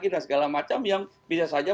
dan segala macam yang bisa saja